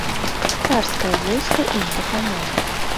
Царскае войска ім дапаможа.